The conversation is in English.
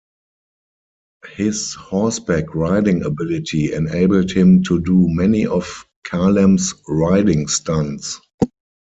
His horseback riding ability enabled him to do many of Kalem's riding stunts.